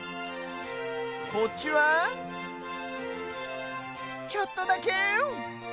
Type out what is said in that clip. こっちはちょっとだけ！